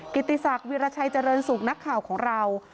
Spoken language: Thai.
ติศักดิราชัยเจริญสุขนักข่าวของเรา